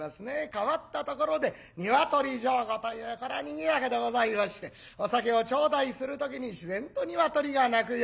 変わったところで鶏上戸というこりゃにぎやかでございましてお酒を頂戴する時に自然と鶏が鳴くような。